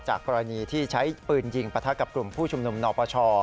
กรณีที่ใช้ปืนยิงประทะกับกลุ่มผู้ชุมนุมนปช